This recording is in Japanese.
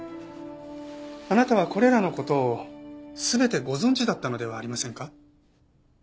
あなたはこれらの事を全てご存じだったのではありませんか？